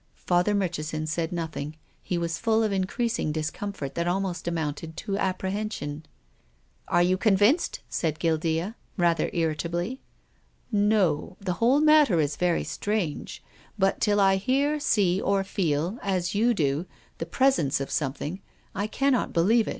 Father Murchison said nothing. He was full of increasing discomfort that almost amounted to apprehension. PROFESSOR GUILDEA. 323 " Are you convinced ?" said Guildea, rather irritably. " No. The whole matter is very strange. But till I hear, see, or feel — as you do — the presence of something, I cannot believe."